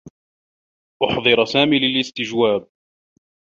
أُحضر سامي للاستجواب.